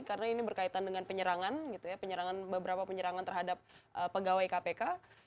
karena ini berkaitan dengan penyerangan gitu ya penyerangan beberapa penyerangan terhadap pegawai kpk